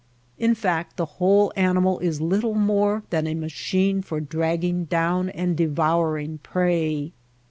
In fact the whole animal is little more than a machine for dragging down and devour ing prey.